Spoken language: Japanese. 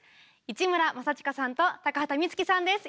市村正親さんと高畑充希さんです。